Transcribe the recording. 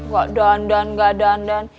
gak dandan gak dandan